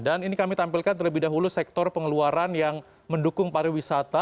dan ini kami tampilkan terlebih dahulu sektor pengeluaran yang mendukung pariwisata